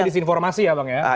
jadi disinformasi ya bang ya